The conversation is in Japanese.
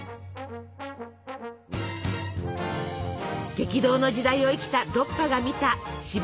激動の時代を生きたロッパが見たシベリアの風景。